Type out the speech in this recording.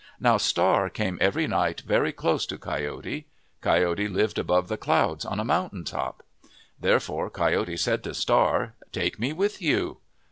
Now Star came every night very close to Coyote. Coyote lived above the clouds, on a mountain top. Therefore Coyote said to Star, " Take me with you."